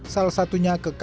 salah satunya kekeluarga